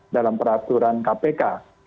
dalam peraturan kpk